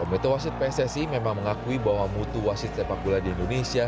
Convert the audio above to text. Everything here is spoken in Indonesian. pemilu pemilu wasid pssi memang mengakui bahwa mutu wasid sepak bola di indonesia